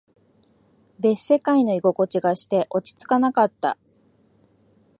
別世界の居心地がして、落ち着かなかった。